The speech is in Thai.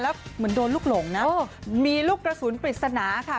แล้วเหมือนโดนลูกหลงนะมีลูกกระสุนปริศนาค่ะ